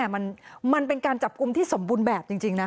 มันเป็นการจับกลุ่มที่สมบูรณ์แบบจริงนะ